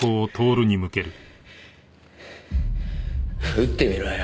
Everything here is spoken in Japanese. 撃ってみろよ。